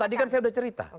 tadi kan saya sudah cerita